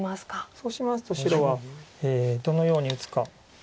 そうしますと白はどのように打つか。